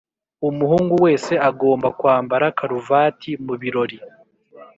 umuhungu wese agomba kwambara karuvati mubirori.